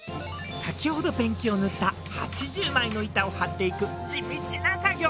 先ほどペンキを塗った８０枚の板を張っていく地道な作業。